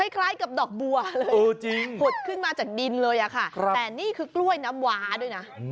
คล้ายกับดอกบัวเลยผุดขึ้นมาจากดินเลยค่ะแต่นี่คือกล้วยน้ำวาด้วยนะ